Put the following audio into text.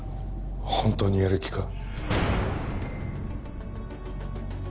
本当にやる気か？